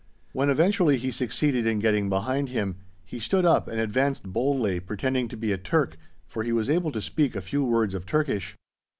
When eventually he succeeded in getting behind him, he stood up and advanced boldly, pretending to be a Turk, for he was able to speak a few words of Turkish.